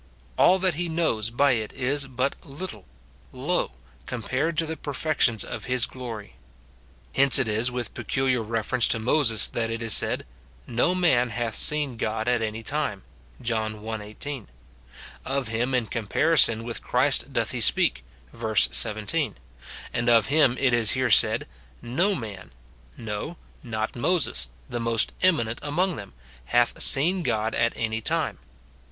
All that he knows by it is but little, low, compared to the perfections of his glory. Hence it is with peculiar reference to Moses that it is said, "No man hath seen God at any time," John i. 18 ; of him in com2:)arison with Christ doth he speak, verse 17 ; and of him it is here said, "No man," no, not Moses, the most eminent among them, "hath seen God at any time."